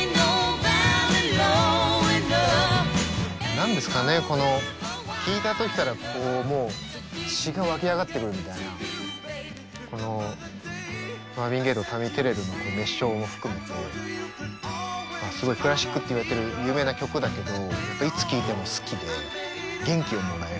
何ですかね聴いた時から血が沸き上がってくるみたいなマーヴィン・ゲイとタミー・テレルの熱唱も含めてすごいクラシックっていわれてる有名な曲だけどやっぱいつ聴いても好きで元気をもらえるんですよ。